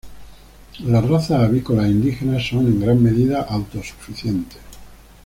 Las razas avícolas indígenas son en gran medida autosuficientes.